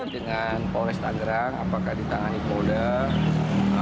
dengan polres tangerang apakah ditangani mampolda atau polres